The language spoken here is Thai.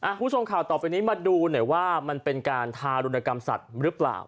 คุณผู้ชมข่าวต่อไปนี้มาดูหน่อยว่ามันเป็นการทารุณกรรมสัตว์หรือเปล่า